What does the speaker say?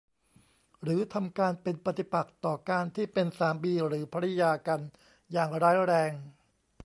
หรือทำการเป็นปฏิปักษ์ต่อการที่เป็นสามีหรือภริยากันอย่างร้ายแรง